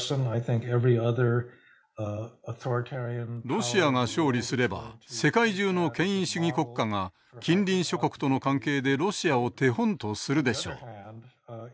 ロシアが勝利すれば世界中の権威主義国家が近隣諸国との関係でロシアを手本とするでしょう。